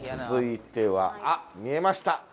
続いてはあっ見えました。